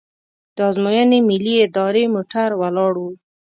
د ازموینې ملي ادارې موټر ولاړ و.